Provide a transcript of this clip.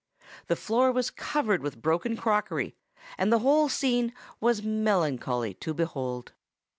The floor was covered with broken crockery, and the whole scene was melancholy to behold.